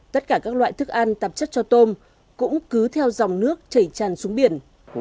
tất cả các loại thức ăn tạp chất cho tôm cũng cứ theo dòng nước chảy tràn xuống biển